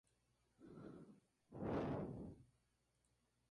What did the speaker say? Cordero es una Población que invita al descanso y la tranquilidad vacacional.